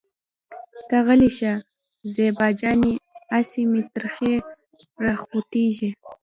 ته غلې شه زېبا جانې اسې مې تريخی راخوټکېږي.